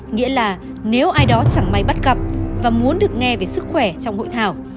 nghĩa là nếu ai đó chẳng may bắt gặp và muốn được nghe về sức khỏe trong hội thảo